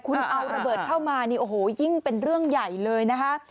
คุณเอาระเบิดเข้ามานี่โอ้โหยิ่งเป็นเรื่องใหญ่เลยนะคะ